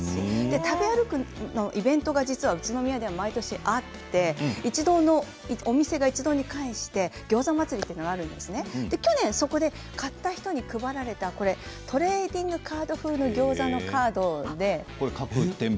食べ歩くイベントが宇都宮では毎年あってお店が一堂に会してギョーザ祭りというのがあるんですが去年そこで買った人に配られたトレーディングカード風のギョーザカードなので。